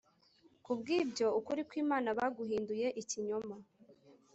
Kubw’ibyo, ukuri kw’Imana baguhinduye ikinyoma